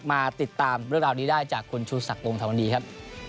มาติดตามเรื่องราวนี้ได้จากคุณชูศักดิวงธรรมดีครับ